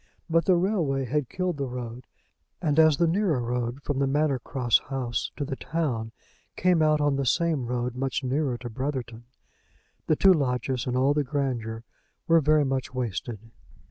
But the railway had killed the road; and as the nearer road from the Manor Cross House to the town came out on the same road much nearer to Brotherton, the two lodges and all the grandeur were very much wasted.